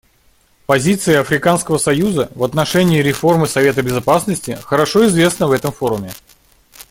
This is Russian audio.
Позиция Африканского союза в отношении реформы Совета Безопасности хорошо известна в этом форуме.